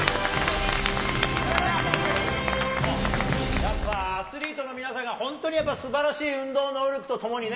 やっぱアスリートの皆さんが、本当にやっぱすばらしい運動能力とともにね、